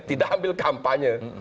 tidak ambil kampanye